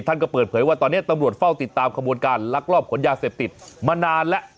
ท่านก็เปิดเผยว่าตอนนี้ตำรวจเฝ้าติดตามขบวนการลักลอบขนยาเสพติดมานานแล้ว